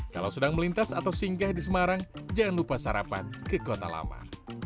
kalau sedang melintas atau singgah di semarang jangan lupa sarapan ke kota lama